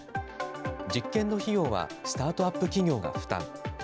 実験の費用はスタートアップ企業が負担。